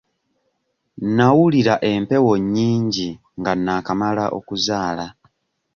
Nawulira empewo nnyingi nga naakamala okuzaala.